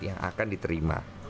yang akan diterima